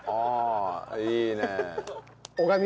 いいね！